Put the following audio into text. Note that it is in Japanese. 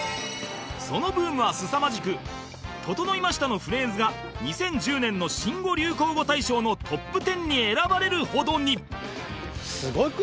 そのブームはすさまじく「ととのいました」のフレーズが２０１０年の新語・流行語大賞のトップ１０に選ばれるほどに